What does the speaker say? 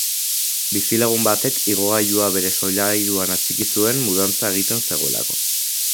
Bizilagun batek igogailua bere solairuan atxiki zuen mudantza egiten zegoelako.